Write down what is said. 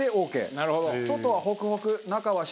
なるほど。